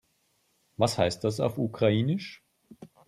Was heißt das auf Ukrainisch?